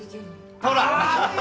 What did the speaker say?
ほら！